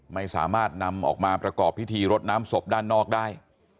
ไม่สามารถนำออกมาประกอบพิธีรดน้ำศพด้านนอกได้